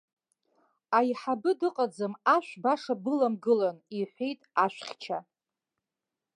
Аиҳабы дыҟаӡам, ашә баша быламгылан, иҳәеит ашәхьча.